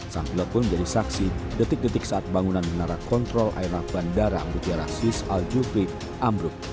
sang pilot pun menjadi saksi detik detik saat bangunan menara kontrol air laut bandara amrutiara sis aljufri amrut